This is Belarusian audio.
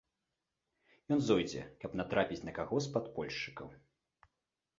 Ён зойдзе, каб натрапіць на каго з падпольшчыкаў.